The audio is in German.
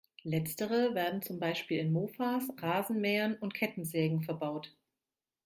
Letztere werden zum Beispiel in Mofas, Rasenmähern und Kettensägen verbaut.